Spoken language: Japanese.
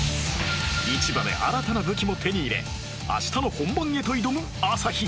市場で新たな武器も手に入れ明日の本番へと挑む朝日